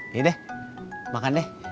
yodeh makan deh